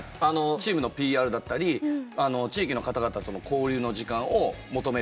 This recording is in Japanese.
チームのＰＲだったり地域の方々との交流の時間を求める。